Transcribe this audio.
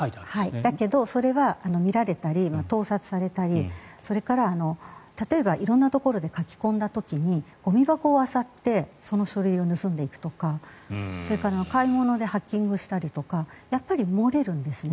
だけど、それは見られたり盗撮されたりそれか例えば、色んなところで書き込んだ時にゴミ箱をあさってその書類を盗んでいくとかそれから買い物でハッキングしたりとかやっぱり漏れるんですね。